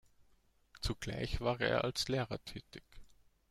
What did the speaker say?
Zugleich war er als Lehrer tätig.